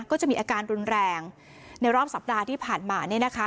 ก็จะมีอาการรุนแรงในรอบสัปดาห์ที่ผ่านมาเนี่ยนะคะ